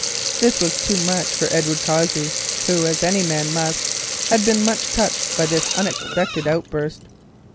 This was too much for Edward Cossey, who, as any man must, had been much touched by this unexpected outburst.